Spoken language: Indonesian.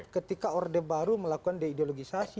ketika orde baru melakukan deideologisasi